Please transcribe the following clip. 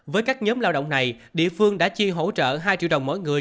với các nhóm lao động này địa phương đã chi hỗ trợ hai triệu đồng mỗi người